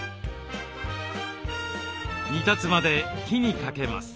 煮立つまで火にかけます。